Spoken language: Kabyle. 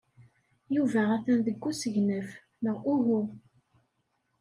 Yuba atan deg usegnaf, neɣ uhu?